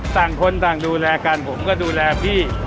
ต่างคนต่างดูแลกันผมก็ดูแลพี่